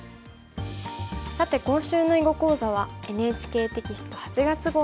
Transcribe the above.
さて今週の囲碁講座はＮＨＫテキスト８月号に詳しく載っています。